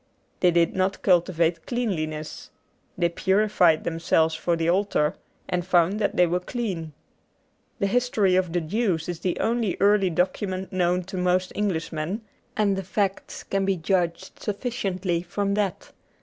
They did not cultivate cleanliness. They purified themselves for the altar, and found that they were clean. The history of the Jews is the only early document known to most Englishmen, and the facts can be judged sufficiently from that.